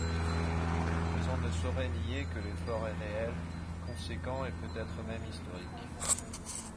Mais on ne saurait nier que l’effort est réel, conséquent et peut-être même historique.